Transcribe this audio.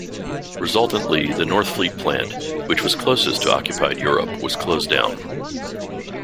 Resultantly, the Northfleet plant which was closest to occupied Europe was closed down.